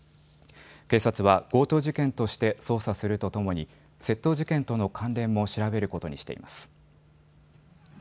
警察は強盗事件として捜査するとともに窃盗事件との関連も調べることにしています。